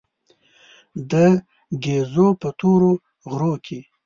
د ګېزو په تورو غرو کې.